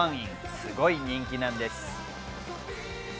すごい人気なんです。